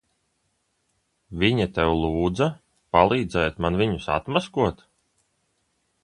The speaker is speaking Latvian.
Viņa tev lūdza palīdzēt man viņus atmaskot?